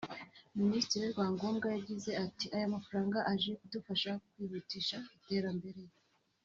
Minisitiri Rwangombwa yagize ati “Aya mafaranga aje kudufasha kwihutisha iterambere